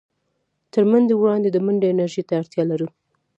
تر منډې وړاندې د منډې انرژۍ ته اړتيا لرو.